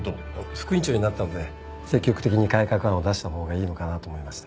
副院長になったので積極的に改革案を出したほうがいいのかなと思いまして。